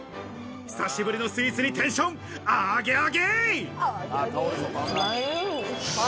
久しぶりのスイーツにテンション、アゲアゲ。